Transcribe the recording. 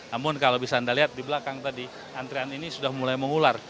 namun kalau bisa anda lihat di belakang tadi antrian ini sudah mulai mengular